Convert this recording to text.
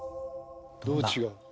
どう違うの？